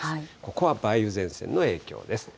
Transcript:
ここは梅雨前線の影響です。